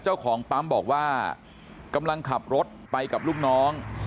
เจ้าของปั๊มบอกว่ากำลังขับรถไปกับลูกน้อง